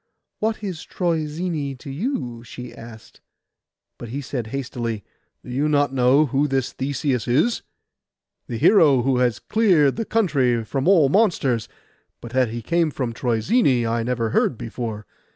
'What is Troezene to you?' she asked. But he said hastily, 'Do you not know who this Theseus is? The hero who has cleared the country from all monsters; but that he came from Troezene, I never heard before.